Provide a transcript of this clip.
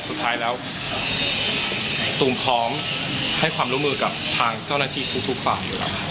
สุดท้ายแล้วตูมพร้อมให้ความร่วมมือกับทางเจ้าหน้าที่ทุกฝ่ายอยู่แล้ว